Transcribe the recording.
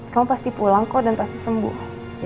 kamu pasti pulang kok dan pasti sembuh